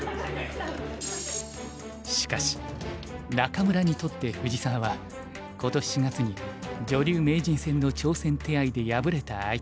しかし仲邑にとって藤沢は今年４月に女流名人戦の挑戦手合で敗れた相手。